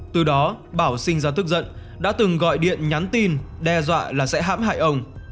từ đó bảo sinh ra tức giận đã từng gọi điện nhắn tin đe dọa là sẽ hãm hại ông